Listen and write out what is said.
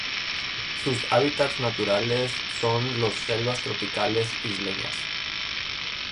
Sus hábitats naturales son los selvas tropicales isleñas.